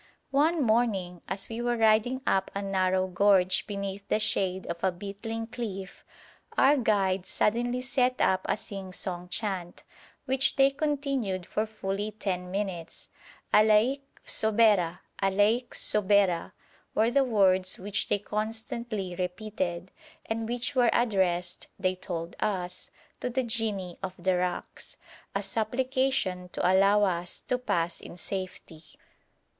One morning, as we were riding up a narrow gorge beneath the shade of a beetling cliff, our guides suddenly set up a sing song chant, which they continued for fully ten minutes. 'Aleik soubera, Aleik soubera,' were the words which they constantly repeated, and which were addressed, they told us, to the jinni of the rocks, a supplication to allow us to pass in safety.